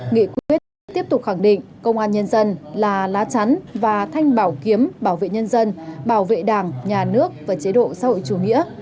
nghị quyết tiếp tục khẳng định công an nhân dân là lá chắn và thanh bảo kiếm bảo vệ nhân dân bảo vệ đảng nhà nước và chế độ xã hội chủ nghĩa